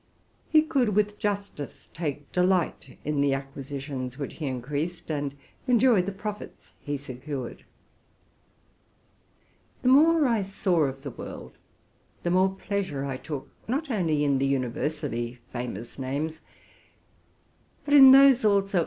He could with justice take delight in the acqui sitions which he increased, and enjoy the profits he secured. The more I saw of the world, the more pleasure I took, not only in the universally fdinoud names, but in those also.